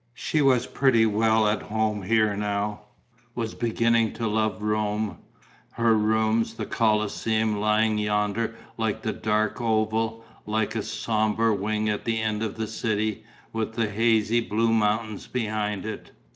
She was pretty well at home here now, was beginning to love Rome, her rooms, the Colosseum lying yonder like a dark oval, like a sombre wing at the end of the city, with the hazy blue mountains behind it.